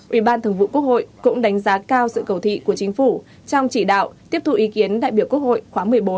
ủy ban thường vụ quốc hội cũng đánh giá cao sự cầu thị của chính phủ trong chỉ đạo tiếp thu ý kiến đại biểu quốc hội khóa một mươi bốn